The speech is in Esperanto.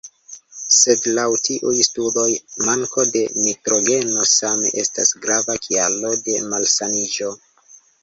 Sed laŭ tiuj studoj, manko de nitrogeno same estas grava kialo de malsaniĝo.